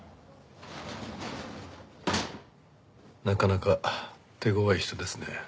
なかなか手ごわい人ですね。